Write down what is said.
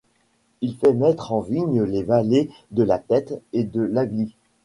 Il fait mettre en vigne les vallées de la Têt et de l'Agly.